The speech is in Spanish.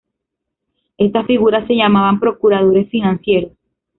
Estas figuras se llamaban procuradores financieros.